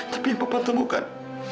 tapi yang papa tunggu kan